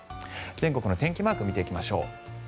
全国の天気マーク見ていきましょう。